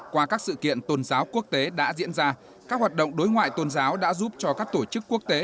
qua các sự kiện tôn giáo quốc tế đã diễn ra các hoạt động đối ngoại tôn giáo đã giúp cho các tổ chức quốc tế